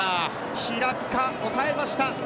平塚抑えました。